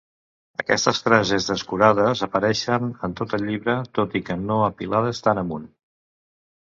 Aquestes frases descurades apareixen en tot el llibre, tot i que no apilades tan amunt.